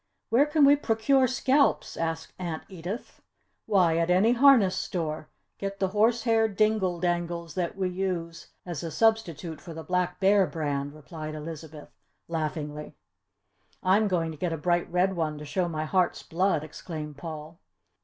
"Where can we procure scalps?" asked Aunt Edith. "Why, at any harness store. Get the horsehair dingle dangles that we use as a substitute for the Black Bear brand," replied Elizabeth, laughingly. "I'm going to get a bright red one to show my heart's blood!" exclaimed Paul.